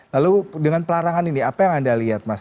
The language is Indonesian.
lalu dengan pelarangan ini apa yang anda lihat mas